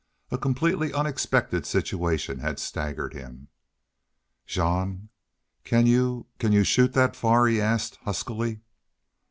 A completely unexpected situation had staggered him. "Jean can you can you shoot that far?" he asked, huskily.